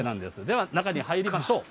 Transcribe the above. では中に入りましょう。